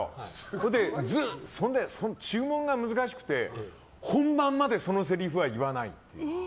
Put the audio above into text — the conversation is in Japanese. それで、注文が難しくて本番まで、そのせりふは言わない。